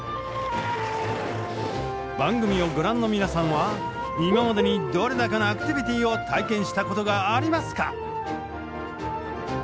番組をご覧の皆さんは今までにどれだけのアクティビティーを体験したことがありますか？